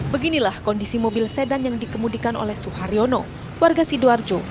beginilah kondisi mobil sedan yang dikemudikan oleh suharyono warga sidoarjo